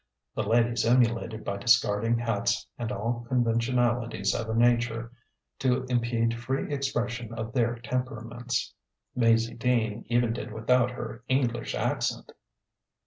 The ladies emulated by discarding hats and all conventionalities of a nature to impede free expression of their temperaments. Maizie Dean even did without her English accent.